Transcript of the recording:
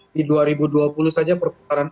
di dua ribu dua puluh saja perputaran